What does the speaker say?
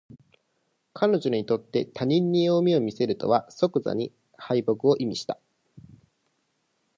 彼女にとって他人に弱みを見せるとは即座に敗北を意味した